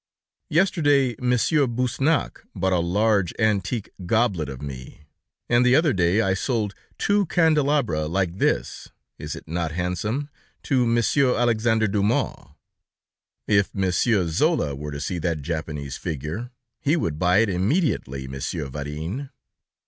Yesterday, Monsieur Busnach bought a large, antique goblet of me, and the other day I sold two candelabra like this (is it not handsome?) to Monsieur Alexander Dumas. If Monsieur Zola were to see that Japanese figure, he would buy it immediately, Monsieur Varin."